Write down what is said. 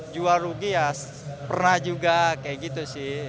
jual rugi ya pernah juga kayak gitu sih